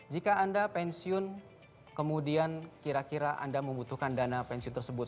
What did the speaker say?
jika anda pensiun kemudian kira kira anda membutuhkan dana pensiun tersebut